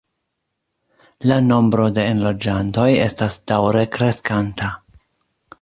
La nombro de enloĝantoj estas daŭre kreskanta.